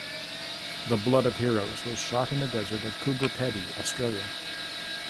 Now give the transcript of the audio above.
"The Blood of Heroes" was shot in the desert of Coober Pedy, Australia.